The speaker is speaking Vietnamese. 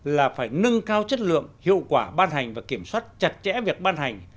là phải nâng cao chất lượng hiệu quả ban hành và kiểm soát chặt chẽ việc ban hành